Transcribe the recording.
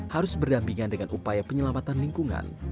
harus berdampingan dengan upaya penyelamatan lingkungan